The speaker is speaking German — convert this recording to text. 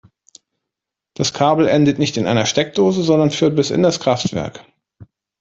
Das Kabel endet nicht in einer Steckdose, sondern führt bis in das Kraftwerk.